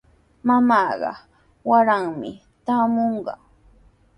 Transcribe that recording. Mamaaqa waraymi traamunqa.